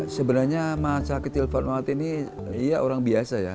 sebenarnya mahasakitil fatmawati ini iya orang biasa ya